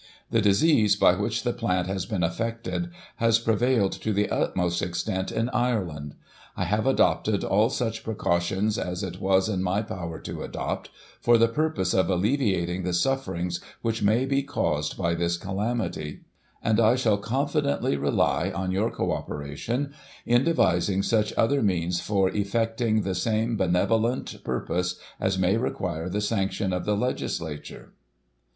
The disease by which the plant has been affected, has prevailed to the utmost extent in Ireland. I have adopted all such precautions as it wets in my power to adopt, for the purpose of alleviating the sufferings which may be caused by this calamity; and I shall confidently rely on your co operation in devising such other means for effecting the same benevolent purpose, as 'may require the sanction of the Legislature."